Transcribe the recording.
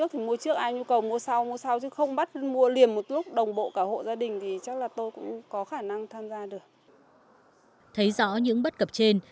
thấy rõ những bất kỳ thông tin của các bạn